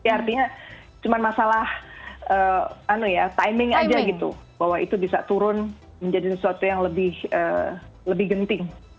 artinya cuma masalah timing aja gitu bahwa itu bisa turun menjadi sesuatu yang lebih genting